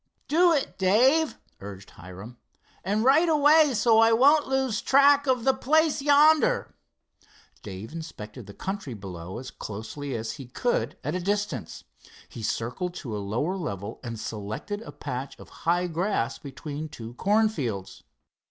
"Do it, Dave," urged Hiram, "and right away, so I won't lose track of the place yonder." Dave inspected the country below as closely as he could at a distance. He circled to a lower level, and selected a patch of high grass between two corn fields.